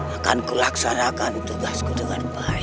akanku laksanakan tugasku dengan baik